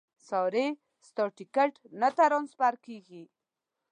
ساري ستا ټیکټ نه ټرانسفر کېږي.